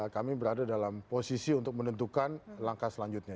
kami berada dalam posisi untuk menentukan langkah selanjutnya